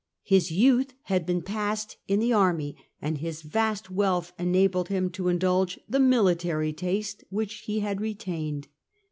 His youth had been passed in the army, and his vast wealth enabled him to indulge the military tastes which he had retained.